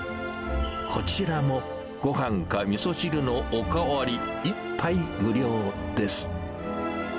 こちらも、ごはんかみそ汁のお代わり１杯無料です。